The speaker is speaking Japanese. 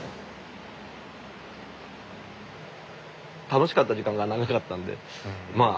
楽しかった時間が長かったんでまあ